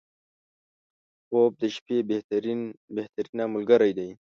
• خوب د شپې بهترینه ملګری دی.